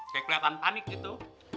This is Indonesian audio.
kayak keliatan panik gitu